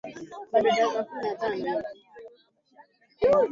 ama umoja wa wachezaji wa kimataifa